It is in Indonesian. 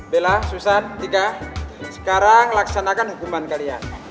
bella susan tika sekarang laksanakan hukuman kalian